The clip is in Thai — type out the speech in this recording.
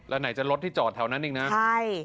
แล้วไหนจะรถที่จอดแถวนั้นอีกนะใช่